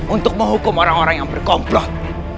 untuk menghukum orang orang yang berkomplot